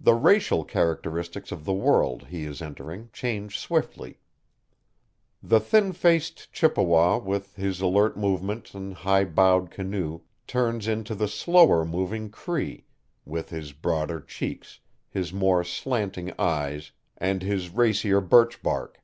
The racial characteristics of the world he is entering change swiftly. The thin faced Chippewa with his alert movements and high bowed canoe turns into the slower moving Cree, with his broader cheeks, his more slanting eyes, and his racier birchbark.